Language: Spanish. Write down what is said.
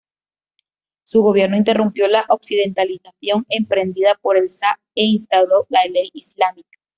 Su gobierno interrumpió la occidentalización emprendida por el Sah e instauró la ley islámica.